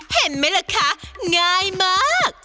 เห็นไหมล่ะคะง่ายมาก